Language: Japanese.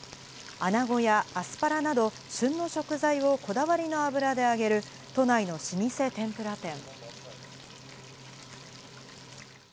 穴子やアスパラなど旬の食材をこだわりの油で揚げる都内の老舗天ぷら店。